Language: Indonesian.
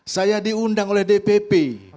saya diundang oleh dpp